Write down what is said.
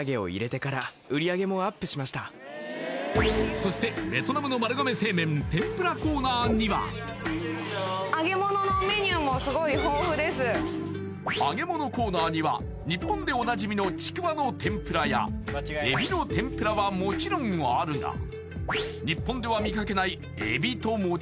そしてベトナムの丸亀製麺揚げ物コーナーには日本でおなじみのちくわの天ぷらやえびの天ぷらはもちろんあるが日本では見かけない